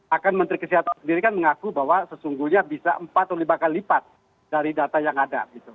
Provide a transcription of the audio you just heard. bahkan menteri kesehatan sendiri kan mengaku bahwa sesungguhnya bisa empat atau lima kali lipat dari data yang ada